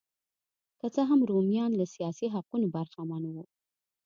که څه هم رومیان له سیاسي حقونو برخمن وو